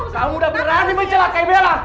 kamu udah berani mencelakai bella